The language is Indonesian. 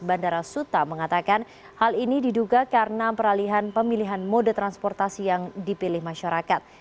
bandara suta mengatakan hal ini diduga karena peralihan pemilihan mode transportasi yang dipilih masyarakat